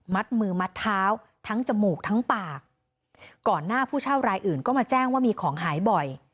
มือมัดเท้าทั้งจมูกทั้งปากก่อนหน้าผู้เช่ารายอื่นก็มาแจ้งว่ามีของหายบ่อย